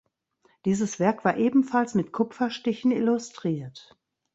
Dieses Werk war ebenfalls mit Kupferstichen illustriert.